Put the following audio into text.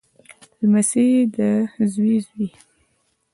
لمسی دزوی زوی